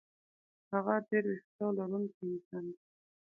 هغه ډېر وېښته لرونکی انسان دی.